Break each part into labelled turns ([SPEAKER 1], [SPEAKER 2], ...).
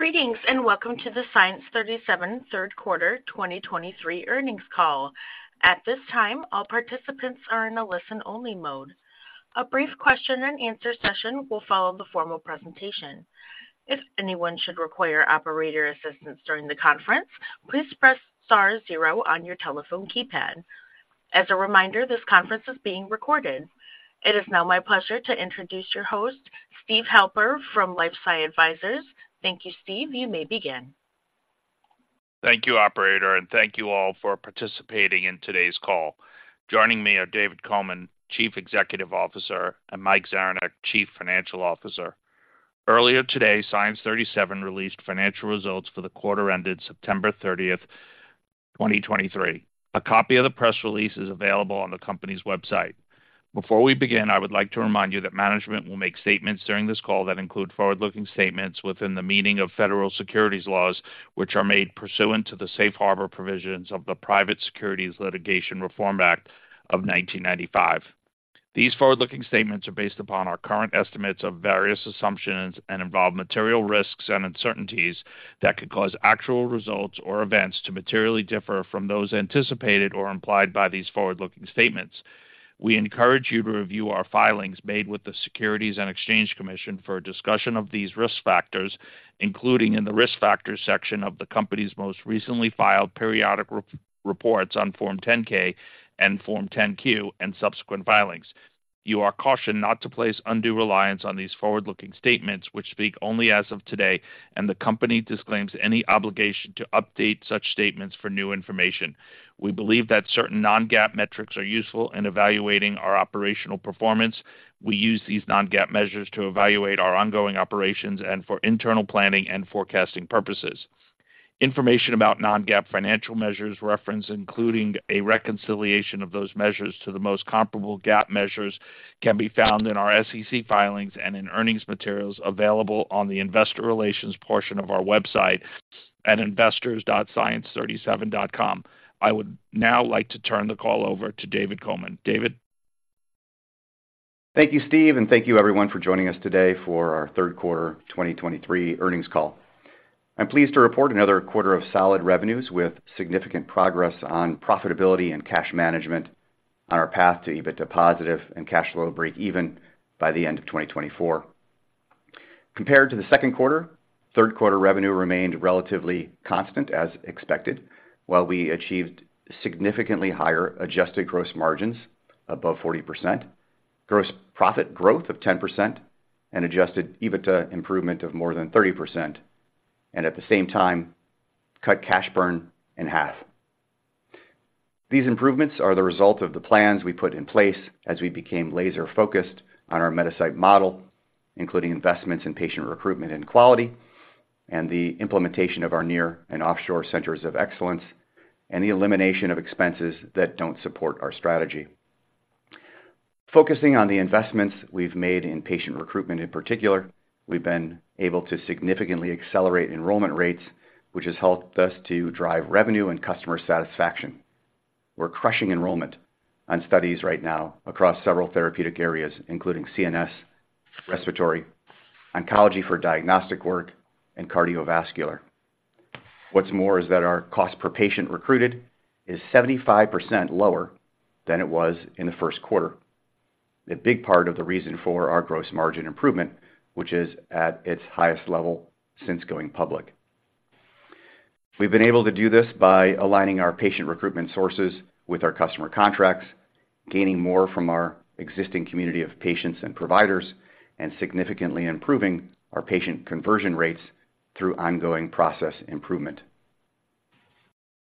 [SPEAKER 1] Greetings, and welcome to the Science 37 Q3 2023 earnings call. At this time, all participants are in a listen-only mode. A brief question-and-answer session will follow the formal presentation. If anyone should require operator assistance during the conference, please press star zero on your telephone keypad. As a reminder, this conference is being recorded. It is now my pleasure to introduce your host, Steve Halper, from LifeSci Advisors. Thank you, Steve. You may begin.
[SPEAKER 2] Thank you, operator, and thank you all for participating in today's call. Joining me are David Coman, Chief Executive Officer, and Mike Zaranek, Chief Financial Officer. Earlier today, Science 37 released financial results for the quarter ended September 30, 2023. A copy of the press release is available on the company's website. Before we begin, I would like to remind you that management will make statements during this call that include forward-looking statements within the meaning of federal securities laws, which are made pursuant to the Safe Harbor provisions of the Private Securities Litigation Reform Act of 1995. These forward-looking statements are based upon our current estimates of various assumptions and involve material risks and uncertainties that could cause actual results or events to materially differ from those anticipated or implied by these forward-looking statements. We encourage you to review our filings made with the Securities and Exchange Commission for a discussion of these risk factors, including in the Risk Factors section of the company's most recently filed periodic reports on Form 10-K and Form 10-Q and subsequent filings. You are cautioned not to place undue reliance on these forward-looking statements, which speak only as of today, and the company disclaims any obligation to update such statements for new information. We believe that certain non-GAAP metrics are useful in evaluating our operational performance. We use these non-GAAP measures to evaluate our ongoing operations and for internal planning and forecasting purposes. Information about non-GAAP financial measures referenced, including a reconciliation of those measures to the most comparable GAAP measures, can be found in our SEC filings and in earnings materials available on the investor relations portion of our website at investors.science37.com. I would now like to turn the call over to David Coman. David?
[SPEAKER 3] Thank you, Steve, and thank you everyone for joining us today for our Q3 2023 earnings call. I'm pleased to report another quarter of solid revenues with significant progress on profitability and cash management on our path to EBITDA positive and cash flow breakeven by the end of 2024. Compared to the Q2, Q3 revenue remained relatively constant, as expected, while we achieved significantly higher adjusted gross margins above 40%, gross profit growth of 10% and adjusted EBITDA improvement of more than 30%, and at the same time, cut cash burn in half. These improvements are the result of the plans we put in place as we became laser-focused on our Metasite model, including investments in patient recruitment and quality, and the implementation of our near and offshore centers of excellence, and the elimination of expenses that don't support our strategy. Focusing on the investments we've made in patient recruitment in particular, we've been able to significantly accelerate enrollment rates, which has helped us to drive revenue and customer satisfaction. We're crushing enrollment on studies right now across several therapeutic areas, including CNS, respiratory, oncology for diagnostic work, and cardiovascular. What's more, is that our cost per patient recruited is 75% lower than it was in the first Q1. A big part of the reason for our gross margin improvement, which is at its highest level since going public. We've been able to do this by aligning our patient recruitment sources with our customer contracts, gaining more from our existing community of patients and providers, and significantly improving our patient conversion rates through ongoing process improvement.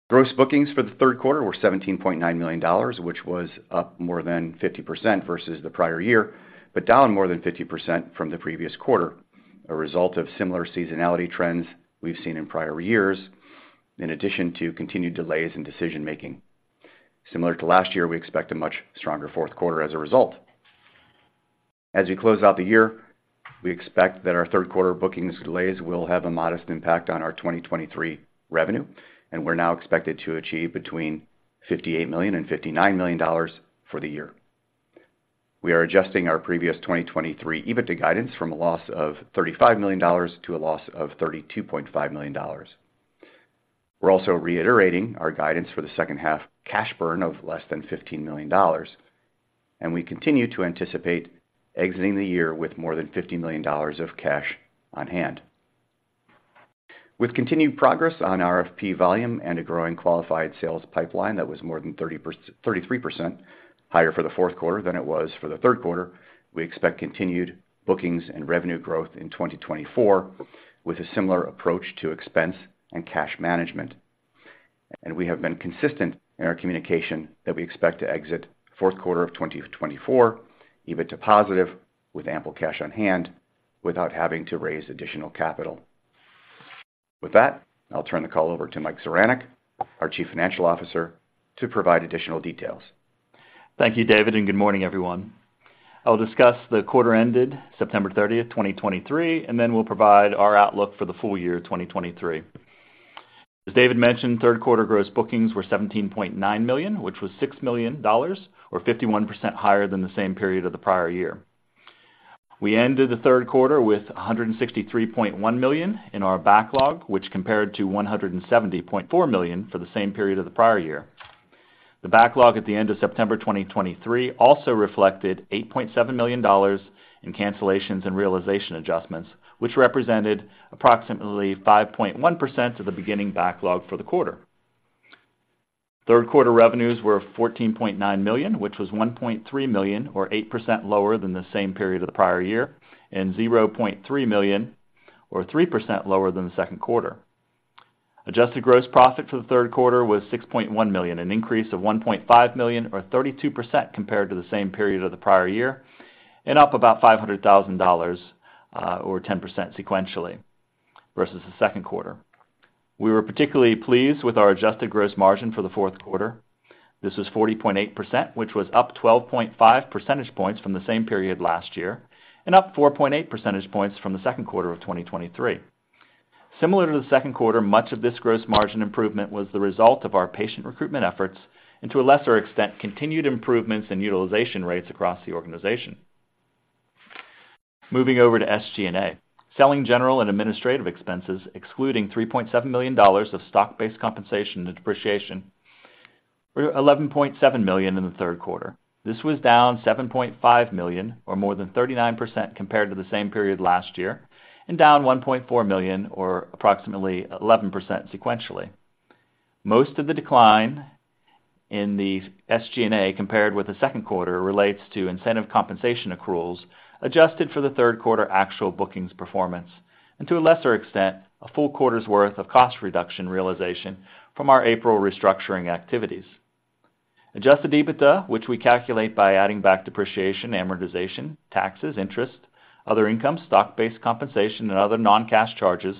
[SPEAKER 3] Gross bookings for the Q3 were $17.9 million, which was up more than 50% versus the prior year, but down more than 50% from the previous quarter, a result of similar seasonality trends we've seen in prior years, in addition to continued delays in decision-making. Similar to last year, we expect a much stronger Q4 as a result. As we close out the year, we expect that our Q3 bookings delays will have a modest impact on our 2023 revenue, and we're now expected to achieve between $58 million and $59 million for the year. We are adjusting our previous 2023 EBITDA guidance from a loss of $35 million to a loss of $32.5 million. We're also reiterating our guidance for the second half cash burn of less than $15 million, and we continue to anticipate exiting the year with more than $50 million of cash on hand. With continued progress on RFP volume and a growing qualified sales pipeline that was more than 33% higher for the Q4 than it was for the Q3, we expect continued bookings and revenue growth in 2024, with a similar approach to expense and cash management. We have been consistent in our communication that we expect to exit the Q4 of 2024 EBITDA positive with ample cash on hand, without having to raise additional capital. With that, I'll turn the call over to Mike Zaranek, our Chief Financial Officer, to provide additional details.
[SPEAKER 4] Thank you, David, and good morning, everyone. I'll discuss the quarter ended September 30, 2023, and then we'll provide our outlook for the full year 2023.... As David mentioned, Q3 gross bookings were $17.9 million, which was $6 million, or 51% higher than the same period of the prior year. We ended the Q3 with $163.1 million in our backlog, which compared to $170.4 million for the same period of the prior year. The backlog at the end of September 2023 also reflected $8.7 million in cancellations and realization adjustments, which represented approximately 5.1% of the beginning backlog for the quarter. Q3 revenues were $14.9 million, which was $1.3 million, or 8% lower than the same period of the prior year, and $0.3 million, or 3% lower than the Q2. Adjusted gross profit for the Q3 was $6.1 million, an increase of $1.5 million, or 32% compared to the same period of the prior year, and up about $500,000 or 10% sequentially versus the Q2. We were particularly pleased with our adjusted gross margin for the Q4. This is 40.8%, which was up 12.5 percentage points from the same period last year and up 4.8 percentage points from the Q2 of 2023. Similar to the Q2, much of this gross margin improvement was the result of our patient recruitment efforts and, to a lesser extent, continued improvements in utilization rates across the organization. Moving over to SG&A. Selling, general, and administrative expenses, excluding $3.7 million of stock-based compensation and depreciation, were $11.7 million in the Q3. This was down $7.5 million, or more than 39% compared to the same period last year, and down $1.4 million, or approximately 11% sequentially. Most of the decline in the SG&A compared with the Q2 relates to incentive compensation accruals adjusted for the Q3 actual bookings performance and, to a lesser extent, a full quarter's worth of cost reduction realization from our April restructuring activities. Adjusted EBITDA, which we calculate by adding back depreciation, amortization, taxes, interest, other income, stock-based compensation, and other non-cash charges,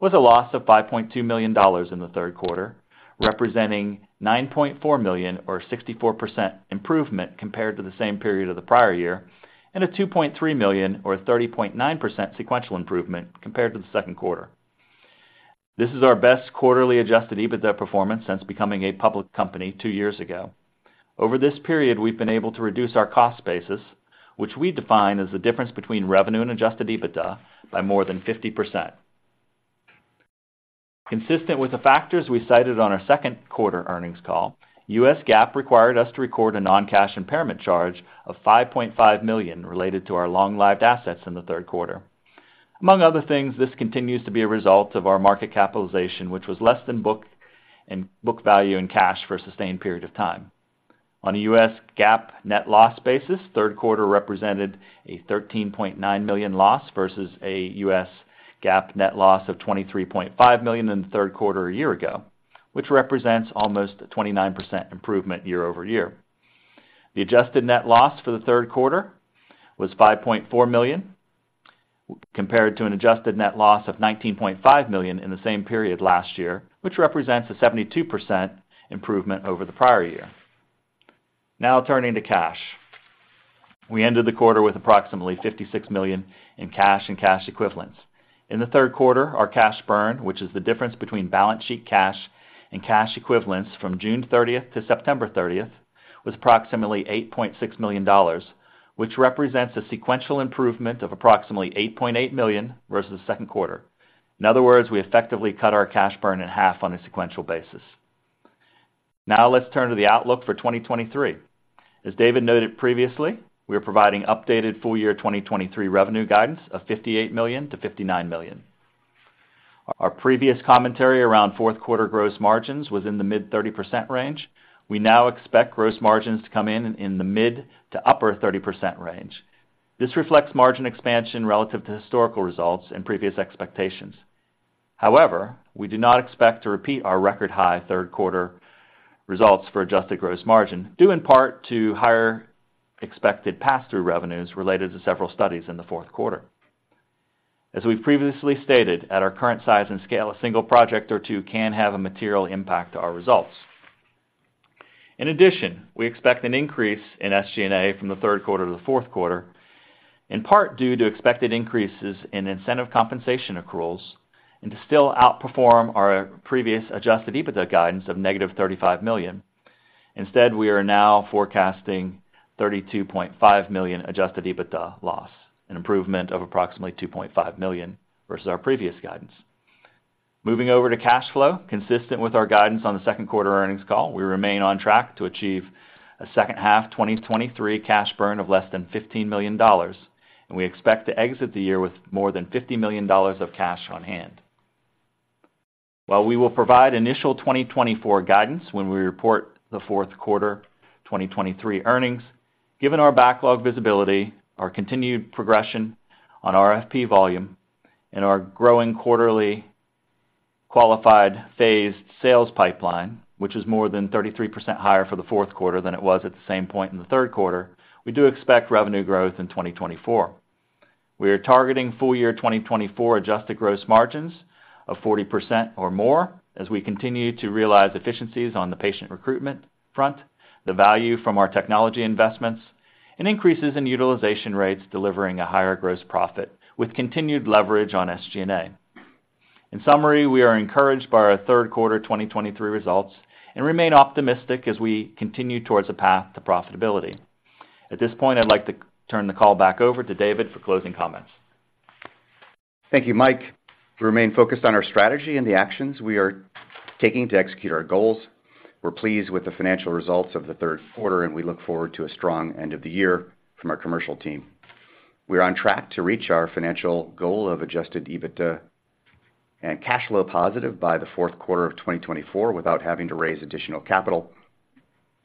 [SPEAKER 4] was a loss of $5.2 million in the Q3, representing $9.4 million or 64% improvement compared to the same period of the prior year, and a $2.3 million or a 30.9% sequential improvement compared to the Q2. This is our best quarterly adjusted EBITDA performance since becoming a public company two years ago. Over this period, we've been able to reduce our cost basis, which we define as the difference between revenue and adjusted EBITDA, by more than 50%. Consistent with the factors we cited on our Q2 earnings call, U.S. GAAP required us to record a non-cash impairment charge of $5.5 million related to our long-lived assets in the Q3. Among other things, this continues to be a result of our market capitalization, which was less than book value and cash for a sustained period of time. On a U.S. GAAP net loss basis, Q3 represented a $13.9 million loss, versus a U.S. GAAP net loss of $23.5 million in the Q3 a year ago, which represents almost a 29% improvement year-over-year. The adjusted net loss for the Q3 was $5.4 million, compared to an adjusted net loss of $19.5 million in the same period last year, which represents a 72% improvement over the prior year. Now turning to cash. We ended the quarter with approximately $56 million in cash and cash equivalents. In the Q3, our cash burn, which is the difference between balance sheet cash and cash equivalents from June 30 to September 30, was approximately $8.6 million, which represents a sequential improvement of approximately $8.8 million versus the Q2. In other words, we effectively cut our cash burn in 1/2 on a sequential basis. Now, let's turn to the outlook for 2023. As David noted previously, we are providing updated full-year 2023 revenue guidance of $58 million-$59 million. Our previous commentary around Q4 gross margins was in the mid-30% range. We now expect gross margins to come in, in the mid- to upper-30% range. This reflects margin expansion relative to historical results and previous expectations. However, we do not expect to repeat our record-high Q3 results for adjusted gross margin, due in part to higher expected pass-through revenues related to several studies in the Q4. As we've previously stated, at our current size and scale, a single project or two can have a material impact to our results. In addition, we expect an increase in SG&A from the Q3 - Q4, in part due to expected increases in incentive compensation accruals and to still outperform our previous adjusted EBITDA guidance of -$35 million. Instead, we are now forecasting $32.5 million adjusted EBITDA loss, an improvement of approximately $2.5 million versus our previous guidance. Moving over to cash flow. Consistent with our guidance on the Q2 earnings call, we remain on track to achieve a second half 2023 cash burn of less than $15 million, and we expect to exit the year with more than $50 million of cash on hand. While we will provide initial 2024 guidance when we report the Q4 2023 earnings, given our backlog visibility, our continued progression on RFP volume, and our growing quarterly qualified phased sales pipeline, which is more than 33% higher for the Q4 than it was at the same point in the Q3, we do expect revenue growth in 2024. We are targeting full year 2024 adjusted gross margins of 40% or more as we continue to realize efficiencies on the patient recruitment front, the value from our technology investments, and increases in utilization rates, delivering a higher gross profit with continued leverage on SG&A. In summary, we are encouraged by our Q3 2023 results, and remain optimistic as we continue towards a path to profitability. At this point, I'd like to turn the call back over to David for closing comments.
[SPEAKER 3] Thank you, Mike. We remain focused on our strategy and the actions we are taking to execute our goals. We're pleased with the financial results of the Q3, and we look forward to a strong end of the year from our commercial team. We're on track to reach our financial goal of Adjusted EBITDA and cash flow positive by the Q4 of 2024 without having to raise additional capital.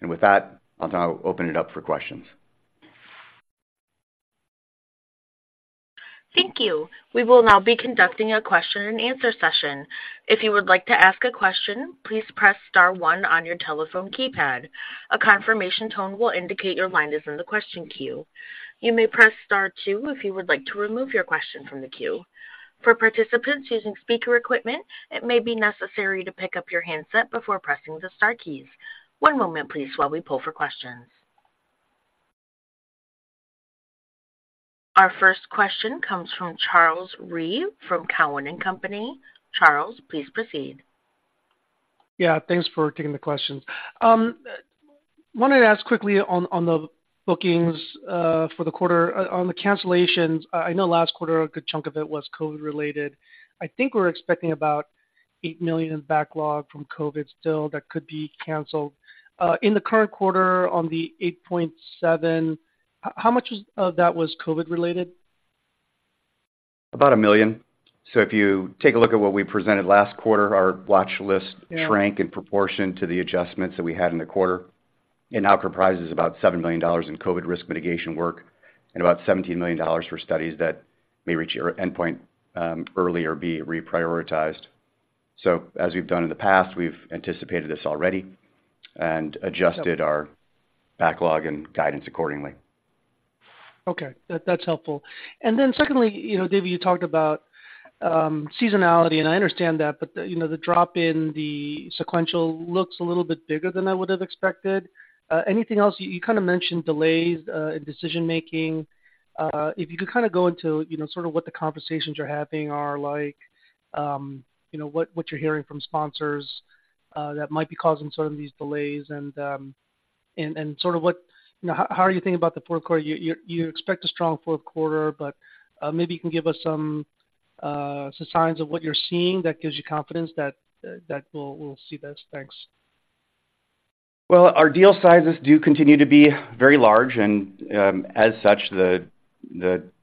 [SPEAKER 3] With that, I'll now open it up for questions.
[SPEAKER 1] Thank you. We will now be conducting a question and answer session. If you would like to ask a question, please press star one on your telephone keypad. A confirmation tone will indicate your line is in the question queue. You may press Star two if you would like to remove your question from the queue. For participants using speaker equipment, it may be necessary to pick up your handset before pressing the star keys. One moment please, while we pull for questions. Our first question comes from Charles Rhyee from Cowen and Company. Charles, please proceed.
[SPEAKER 5] Yeah, thanks for taking the questions. Wanted to ask quickly on the bookings for the quarter. On the cancellations, I know last quarter, a good chunk of it was COVID-related. I think we're expecting about $8 million in backlog from COVID still, that could be canceled. In the current quarter, on the $8.7, how much of that was COVID-related?
[SPEAKER 3] About 1 million. So if you take a look at what we presented last quarter, our watch list-
[SPEAKER 5] Yeah
[SPEAKER 3] - shrank in proportion to the adjustments that we had in the quarter, and now comprises about $7 million in COVID risk mitigation work and about $17 million for studies that may reach your endpoint, early or be reprioritized. So as we've done in the past, we've anticipated this already and adjusted our backlog and guidance accordingly.
[SPEAKER 5] Okay, that, that's helpful. And then secondly, you know, David, you talked about seasonality, and I understand that, but, you know, the drop in the sequential looks a little bit bigger than I would have expected. Anything else? You kind of mentioned delays in decision-making. If you could kind of go into, you know, sort of what the conversations you're having are like, you know, what you're hearing from sponsors that might be causing some of these delays and sort of what... How are you thinking about the Q4? You expect a strong Q4, but maybe you can give us some signs of what you're seeing that gives you confidence that we'll see this. Thanks.
[SPEAKER 3] Well, our deal sizes do continue to be very large, and as such, the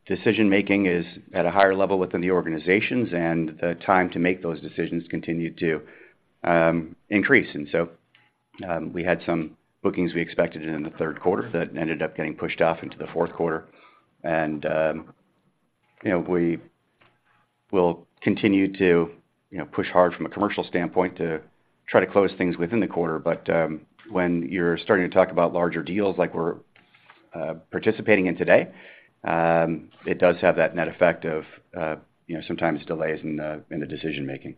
[SPEAKER 3] decision-making is at a higher level within the organizations and the time to make those decisions continue to increase. And so, we had some bookings we expected in the Q3 that ended up getting pushed off into the Q4. And, you know, we will continue to, you know, push hard from a commercial standpoint to try to close things within the quarter, but when you're starting to talk about larger deals like we're participating in today, it does have that net effect of, you know, sometimes delays in the decision making.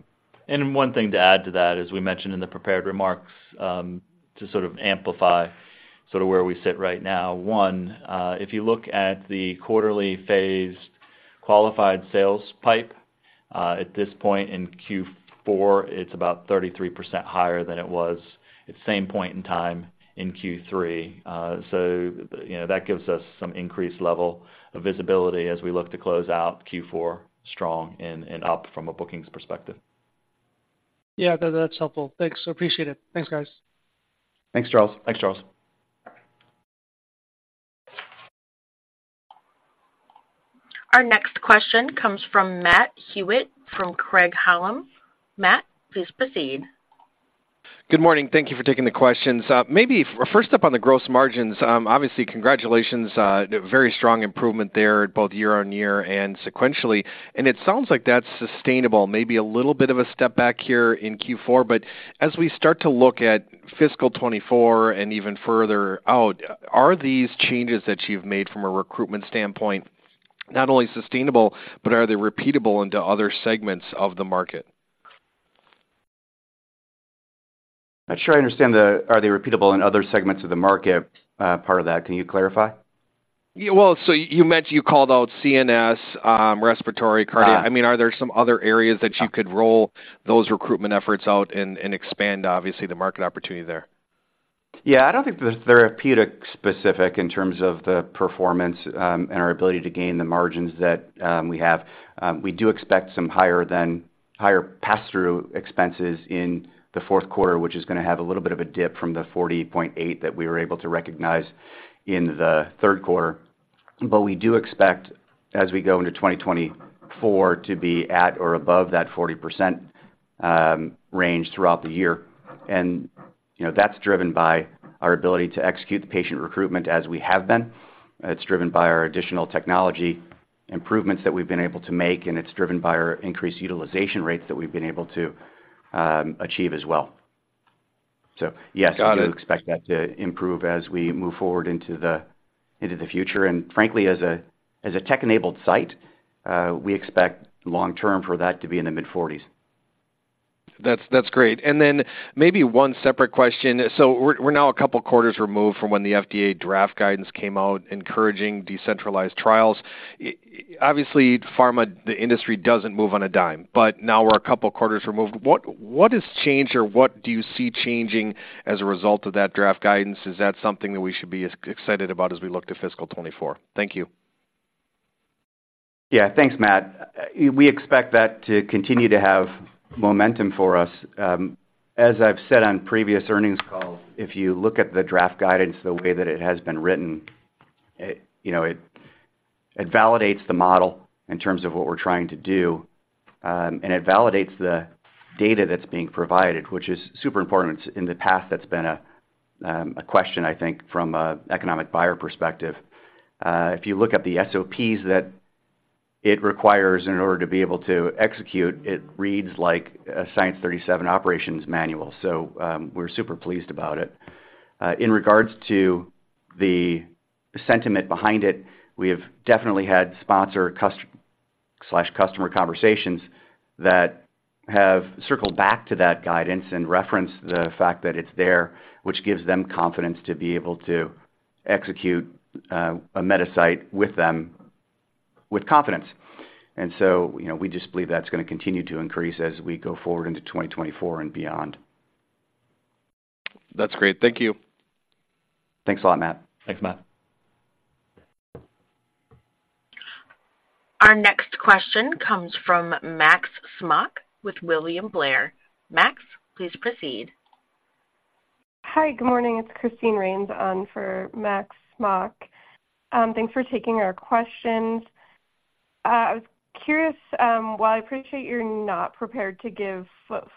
[SPEAKER 4] One thing to add to that, as we mentioned in the prepared remarks, to sort of amplify sort of where we sit right now. One, if you look at the quarterly phased qualified sales pipe, at this point in Q4, it's about 33% higher than it was at the same point in time in Q3. So, you know, that gives us some increased level of visibility as we look to close out Q4 strong and up from a bookings perspective.
[SPEAKER 5] Yeah, that's helpful. Thanks, I appreciate it. Thanks, guys.
[SPEAKER 3] Thanks, Charles. Thanks, Charles.
[SPEAKER 1] Our next question comes from Matt Hewitt, from Craig-Hallum. Matt, please proceed.
[SPEAKER 6] Good morning. Thank you for taking the questions. Maybe first up on the gross margins. Obviously, congratulations, very strong improvement there, both year-on-year and sequentially, and it sounds like that's sustainable. Maybe a little bit of a step back here in Q4, but as we start to look at fiscal 2024 and even further out, are these changes that you've made from a recruitment standpoint not only sustainable, but are they repeatable into other segments of the market?
[SPEAKER 3] Not sure I understand the "Are they repeatable in other segments of the market" part of that. Can you clarify?
[SPEAKER 6] Yeah, well, so you mentioned you called out CNS, respiratory, cardiac.
[SPEAKER 3] Ah.
[SPEAKER 6] I mean, are there some other areas that you could roll those recruitment efforts out and expand, obviously, the market opportunity there?
[SPEAKER 3] Yeah, I don't think they're therapeutic specific in terms of the performance, and our ability to gain the margins that, we have. We do expect some higher than higher pass-through expenses in the Q4, which is gonna have a little bit of a dip from the 40.8 that we were able to recognize in the Q3. But we do expect, as we go into 2024, to be at or above that 40% range throughout the year. And, you know, that's driven by our ability to execute the patient recruitment as we have been. It's driven by our additional technology improvements that we've been able to make, and it's driven by our increased utilization rates that we've been able to, achieve as well. So yes-
[SPEAKER 6] Got it.
[SPEAKER 3] We do expect that to improve as we move forward into the future. Frankly, as a tech-enabled site, we expect long term for that to be in the mid-forties....
[SPEAKER 6] That's great. And then maybe one separate question. So we're now a couple quarters removed from when the FDA draft guidance came out, encouraging decentralized trials. Obviously, pharma, the industry, doesn't move on a dime, but now we're a couple quarters removed. What has changed, or what do you see changing as a result of that draft guidance? Is that something that we should be excited about as we look to fiscal 2024? Thank you.
[SPEAKER 3] Yeah, thanks, Matt. We expect that to continue to have momentum for us. As I've said on previous earnings calls, if you look at the draft guidance, the way that it has been written, it, you know, it, it validates the model in terms of what we're trying to do, and it validates the data that's being provided, which is super important. In the past, that's been a question, I think, from a economic buyer perspective. If you look at the SOPs that it requires in order to be able to execute, it reads like a Science 37 operations manual, so we're super pleased about it. In regards to the sentiment behind it, we have definitely had sponsor/customer conversations that have circled back to that guidance and referenced the fact that it's there, which gives them confidence to be able to execute a Metasite with them with confidence. And so, you know, we just believe that's gonna continue to increase as we go forward into 2024 and beyond.
[SPEAKER 6] That's great. Thank you.
[SPEAKER 3] Thanks a lot, Matt.
[SPEAKER 4] Thanks, Matt.
[SPEAKER 1] Our next question comes from Max Smock with William Blair. Max, please proceed.
[SPEAKER 7] Hi, good morning. It's Christine Rains on for Max Smock. Thanks for taking our questions. I was curious, while I appreciate you're not prepared to give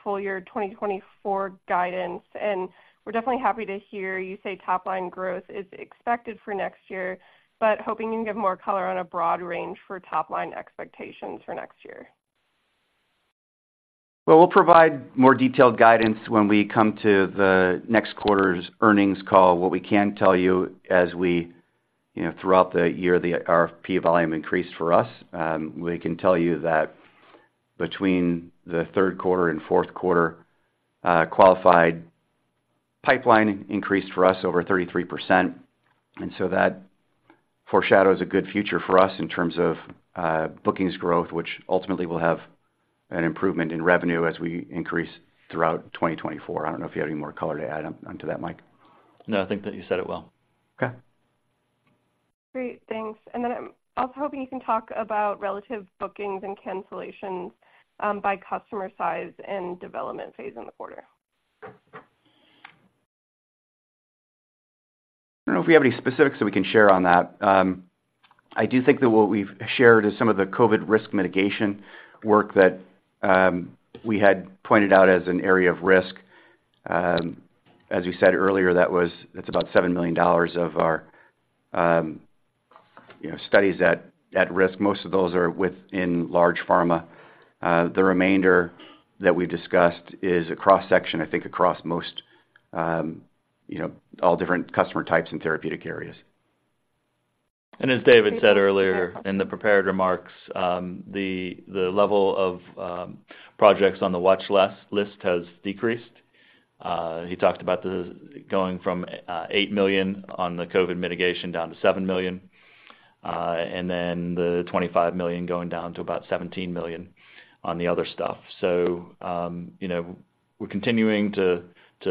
[SPEAKER 7] full year 2024 guidance, and we're definitely happy to hear you say top line growth is expected for next year, but hoping you can give more color on a broad range for top line expectations for next year.
[SPEAKER 3] Well, we'll provide more detailed guidance when we come to the next quarter's earnings call. What we can tell you, you know, throughout the year, the RFP volume increased for us. We can tell you that between the Q3 and Q4, qualified pipeline increased for us over 33%, and so that foreshadows a good future for us in terms of bookings growth, which ultimately will have an improvement in revenue as we increase throughout 2024. I don't know if you have any more color to add on to that, Mike.
[SPEAKER 4] No, I think that you said it well.
[SPEAKER 3] Okay.
[SPEAKER 7] Great, thanks. And then I'm also hoping you can talk about relative bookings and cancellations, by customer size and development phase in the quarter.
[SPEAKER 3] I don't know if we have any specifics that we can share on that. I do think that what we've shared is some of the COVID risk mitigation work that, we had pointed out as an area of risk. As you said earlier, that was, that's about $7 million of our, you know, studies at risk. Most of those are within large pharma. The remainder that we've discussed is a cross-section, I think, across most, you know, all different customer types and therapeutic areas.
[SPEAKER 4] And as David said earlier in the prepared remarks, the level of projects on the watchlist has decreased. He talked about going from $8 million on the COVID mitigation down to $7 million, and then the $25 million going down to about $17 million on the other stuff. So, you know, we're continuing to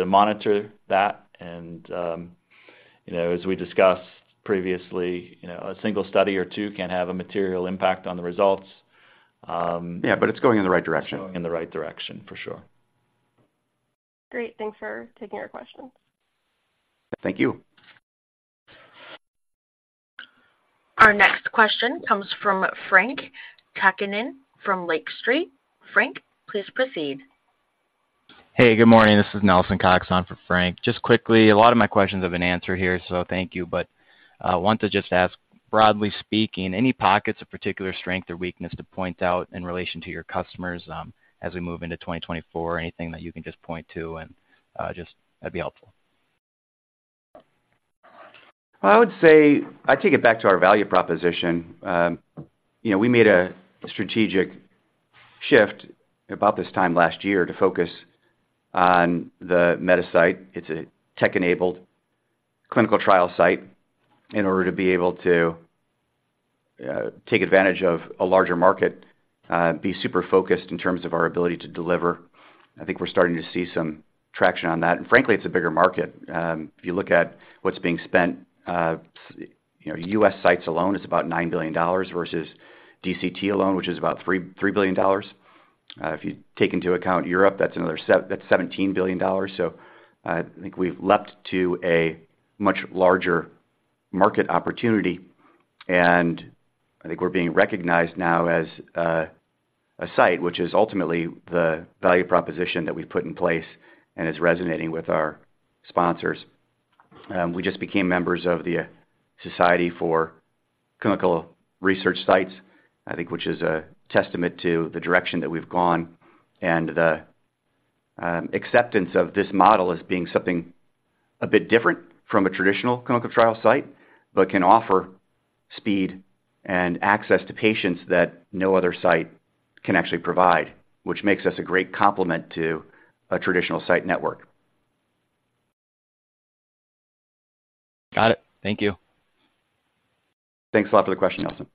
[SPEAKER 4] monitor that and, you know, as we discussed previously, you know, a single study or two can have a material impact on the results.
[SPEAKER 3] Yeah, but it's going in the right direction.
[SPEAKER 4] It's going in the right direction, for sure.
[SPEAKER 7] Great. Thanks for taking our questions.
[SPEAKER 3] Thank you.
[SPEAKER 1] Our next question comes from Frank Takkinen from Lake Street. Frank, please proceed.
[SPEAKER 8] Hey, good morning. This is Nelson Cox on for Frank. Just quickly, a lot of my questions have been answered here, so thank you. But, want to just ask, broadly speaking, any pockets of particular strength or weakness to point out in relation to your customers, as we move into 2024? Anything that you can just point to and, just that'd be helpful.
[SPEAKER 3] I would say I take it back to our value proposition. You know, we made a strategic shift about this time last year to focus on the Metasite. It's a tech-enabled clinical trial site, in order to be able to take advantage of a larger market, be super focused in terms of our ability to deliver. I think we're starting to see some traction on that, and frankly, it's a bigger market. If you look at what's being spent, you know, US sites alone is about $9 billion versus DCT alone, which is about $3 billion. If you take into account Europe, that's another $17 billion. So I think we've leapt to a much larger market opportunity, and I think we're being recognized now as a site which is ultimately the value proposition that we've put in place and is resonating with our sponsors. We just became members of the Society for Clinical Research Sites, I think, which is a testament to the direction that we've gone and the acceptance of this model as being something a bit different from a traditional clinical trial site, but can offer speed and access to patients that no other site can actually provide, which makes us a great complement to a traditional site network.
[SPEAKER 9] Got it. Thank you.
[SPEAKER 3] Thanks a lot for the question, Nelson.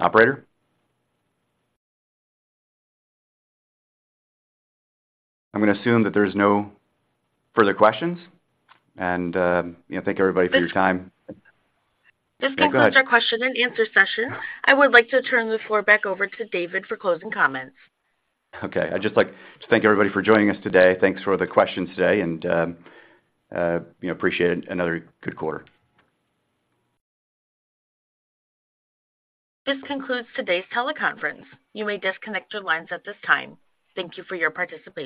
[SPEAKER 3] Operator? I'm gonna assume that there's no further questions, and, you know, thank everybody for your time.
[SPEAKER 1] This concludes our question and answer session. I would like to turn the floor back over to David for closing comments.
[SPEAKER 3] Okay. I'd just like to thank everybody for joining us today. Thanks for the questions today and, you know, appreciate it, another good quarter.
[SPEAKER 1] This concludes today's teleconference. You may disconnect your lines at this time. Thank you for your participation.